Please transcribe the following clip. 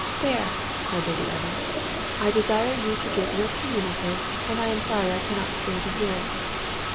"There!" cried Lady Evans, "I desire you will give your opinion of her, and I am sorry I cannot stay to hear it."